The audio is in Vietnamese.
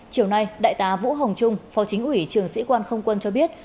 chiều nay đại tá vũ hồng trung phó chính ủy trường sĩ quan không quân cho biết